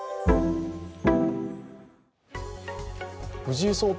藤井聡太